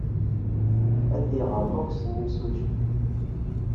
Ayt yiɣrem akk ssnen imsujji.